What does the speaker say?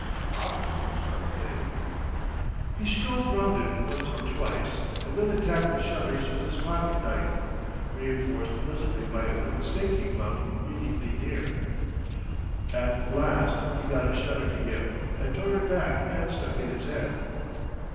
"Ought to be somethin' " He strolled round it once or twice, and then attacked the shutters with his pocket knife, reinforced presently by a wooden stake he found conveniently near. At last he got a shutter to give, and tore it back and stuck in his head.